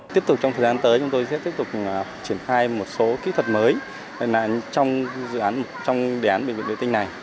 tiếp tục trong thời gian tới chúng tôi sẽ tiếp tục triển khai một số kỹ thuật mới trong dự án trong đề án bệnh viện vệ tinh này